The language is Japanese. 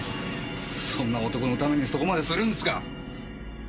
そんな男のためにそこまでするんですか！